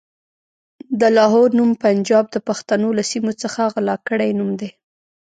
د لاهور نوم پنجاب د پښتنو له سيمو څخه غلا کړی نوم دی.